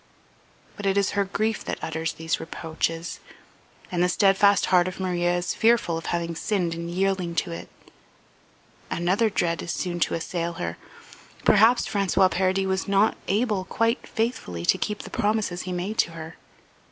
But it is her grief that utters these reproaches, and the steadfast heart of Maria is fearful of having sinned in yielding to it. Another dread is soon to assail her. Perhaps François Paradis was not able quite faithfully to keep the promises he made to her.